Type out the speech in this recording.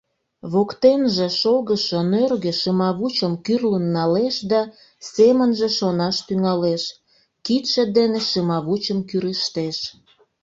Воктенже шогышо нӧргӧ шымавучым кӱрлын налеш да семынже шонаш тӱҥалеш, кидше дене шымавучым кӱрыштеш.